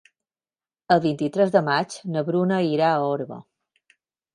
El vint-i-tres de maig na Bruna irà a Orba.